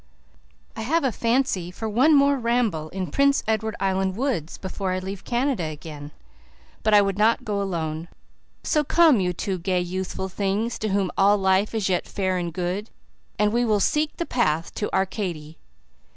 "I have a fancy for one more ramble in Prince Edward Island woods before I leave Canada again. But I would not go alone. So come, you two gay youthful things to whom all life is yet fair and good, and we will seek the path to Arcady.